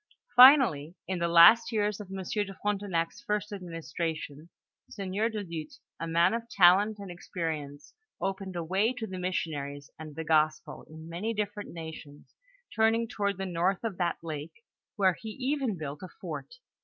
Finally, in the last years of M. de Frontenac's first administration, Sieur du Luth, a man of talent and experience opened a way to the missionaries and the gospel in many different nations turning toward the north of that lake, where he even built a foil